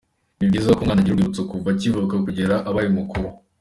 Nibyiza ko umwana agira urwibutso kuva akivuka kugera abaye mukuru.